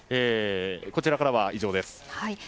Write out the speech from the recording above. こちらからは以上です。